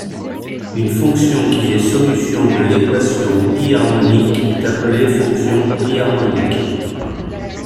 Une fonction qui est solution de l'équation biharmonique est appelée fonction biharmonique.